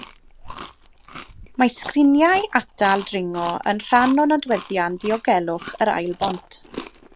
Mae sgriniau atal dringo yn rhan o nodweddion diogelwch yr ail bont.